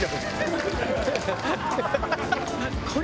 これ。